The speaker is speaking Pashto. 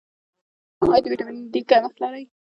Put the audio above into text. ایا د ویټامین ډي کمښت لرئ؟